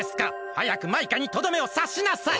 はやくマイカにとどめをさしなさい！